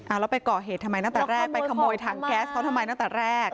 แล้วไปก่อเหตุทำไมตั้งแต่แรกไปขโมยถังแก๊สเขาทำไมตั้งแต่แรก